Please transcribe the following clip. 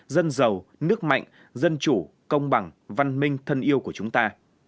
dân giàu nước mạnh dân chủ công bằng văn minh thân yêu của chúng ta